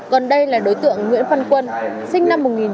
còn đây là đối tượng nguyễn phân quân